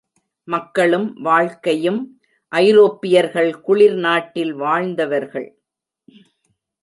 மக்களும் வாழ்க்கையும் ஐரோப்பியர்கள் குளிர் நாட்டில் வாழ்ந்தவர்கள்.